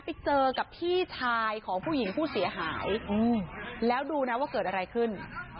ไปเจอกับพี่ชายของผู้หญิงผู้เสียหายแล้วดูนะว่าเกิดอะไรขึ้น